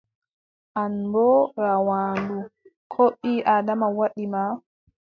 An boo rawaandu, ko ɓii-Aadama waɗi ma?